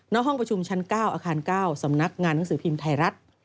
ห้องประชุมชั้น๙อาคาร๙สำนักงานหนังสือพิมพ์ไทยรัฐ